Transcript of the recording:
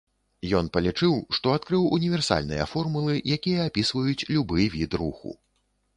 Ён палічыў, што адкрыў універсальныя формулы, якія апісваюць любы від руху.